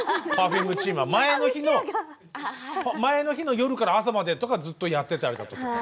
Ｐｅｒｆｕｍｅチームは前の日の夜から朝までとかずっとやってたりだとか。